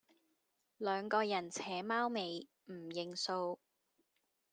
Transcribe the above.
兩個人扯貓尾唔認數